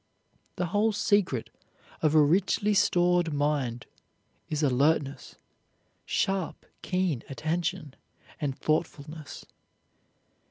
The whole secret of a richly stored mind is alertness, sharp, keen attention, and thoughtfulness.